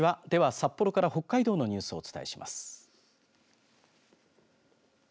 では札幌から北海道のニュースをお伝えします。